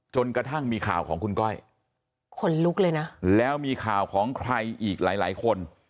จนกระทั่งมีข่าวของคุณก้อยขนลุกเลยนะแล้วมีข่าวของใครอีกหลายหลายคน